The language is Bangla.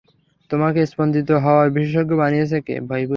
তোমাকে স্পন্দিত হওয়ার বিশেষজ্ঞ বানিয়েছে কে?